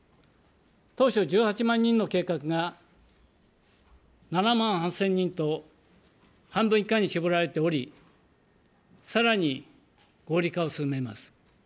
当初、１８万人の計画が、７万８０００人と半分以下に絞られており、さらに合理化を進めます。